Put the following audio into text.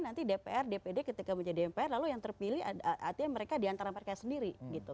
nanti dpr dpd ketika menjadi mpr lalu yang terpilih artinya mereka diantara mereka sendiri gitu